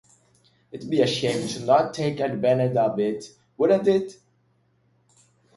It'd be a shame to not take advantage of it, wouldn't it?